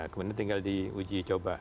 kemudian tinggal diuji coba